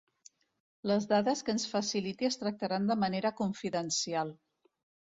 Les dades que ens faciliti es tractaran de manera confidencial.